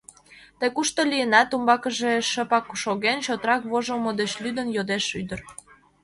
— Тый кушто лийынат? — умбакыже шыпак шоген чотрак вожылмо деч лӱдын йодеш ӱдыр.